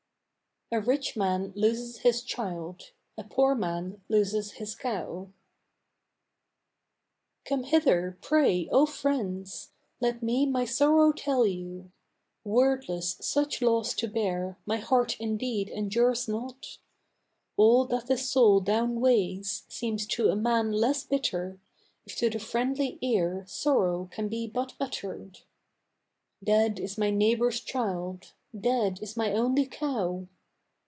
"A RICH MAN LOSES HIS CHILD, A POOR MAN LOSES HIS COW" Come hither, pray, O friends! Let me my sorrow tell you. Wordless such loss to bear, my heart indeed endures not: All that the soul downweighs seems to a man less bitter, If to the friendly ear sorrow can be but uttered. Dead is my neighbor's child: dead is my only cow.